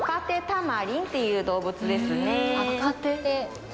タマリンっていう動物ですね。